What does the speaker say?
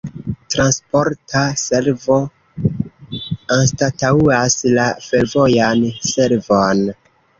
Transporta servo anstataŭas la fervojan servon.